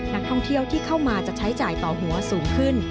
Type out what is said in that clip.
นักท่องเที่ยวที่เข้ามาจะใช้จ่ายต่อหัวสูงขึ้น